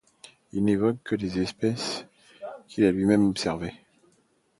Il n'évoque que des espèces qu'il a lui-même observé.